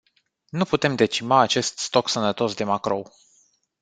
Nu putem decima acest stoc sănătos de macrou.